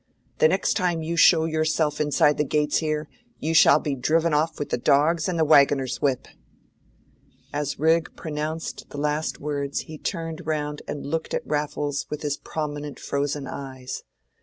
The next time you show yourself inside the gates here, you shall be driven off with the dogs and the wagoner's whip." As Rigg pronounced the last words he turned round and looked at Raffles with his prominent frozen eyes.